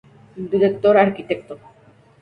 Director: Arq.